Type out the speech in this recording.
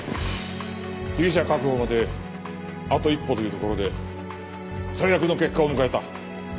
被疑者確保まであと一歩というところで最悪の結果を迎えた。